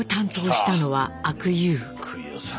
来た阿久悠さん。